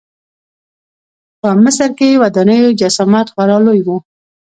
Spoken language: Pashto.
په مصر کې د ودانیو جسامت خورا لوی و.